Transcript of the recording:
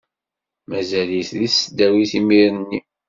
Mazal-it deg tesdawit imir-nni.